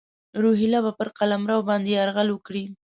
روهیله به پر قلمرو باندي یرغل وکړي.